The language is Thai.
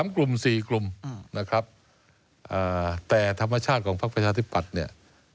๓กลุ่ม๔กลุ่มแต่ธรรมชาติของภักดิ์ประชาธิปัตย์